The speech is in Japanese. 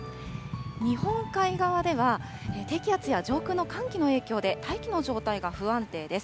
日本海側では、低気圧や上空の寒気の影響で大気の状態が不安定です。